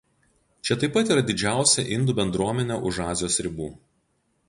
Čia taip pat yra didžiausia indų bendruomenė už Azijos ribų.